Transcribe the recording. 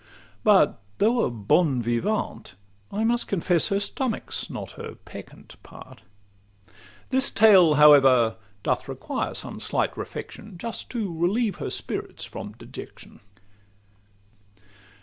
But though a 'bonne vivante,' I must confess Her stomach 's not her peccant part; this tale However doth require some slight refection, Just to relieve her spirits from dejection.